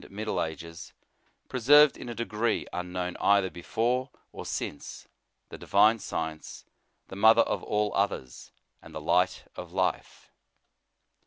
85 middle ages, preserved in a degree unknown either before or since, the divine science, the mother of all others, and the light of life.